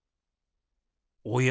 おや？